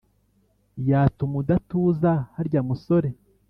yatuma udatuza harya musore